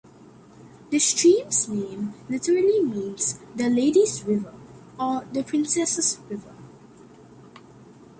The stream's name literally means "the lady's river", or "the princess's river".